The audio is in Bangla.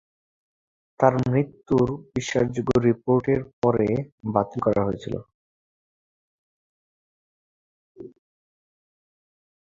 তার মৃত্যুর বিশ্বাসযোগ্য রিপোর্টের পরে বাতিল করা হয়েছিল।